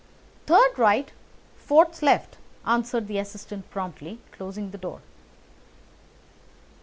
"Third right, fourth left," answered the assistant promptly, closing the door.